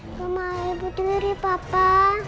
rumah ibu tiri papa